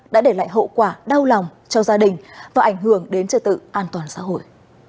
đã để lại hậu quả đau lòng cho gia đình và ảnh hưởng đến trợ tự an toàn xã hội